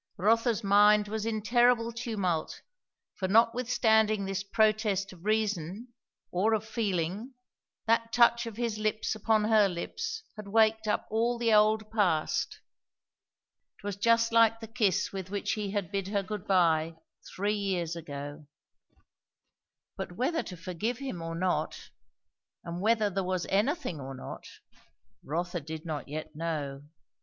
Rotha's mind was in terrible tumult, for notwithstanding this protest of reason, or of feeling, that touch of his lips upon her lips had waked up all the old past; it was just like the kiss with which he had bid her good bye three years ago; but whether to forgive him or not, and whether there was anything or not, Rotha did not yet know.